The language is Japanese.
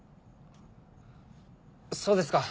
そうですか。